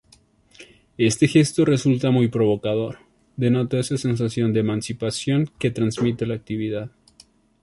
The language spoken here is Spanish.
Este gesto resulta muy provocador, denota esa sensación de emancipación que transmite la actividad.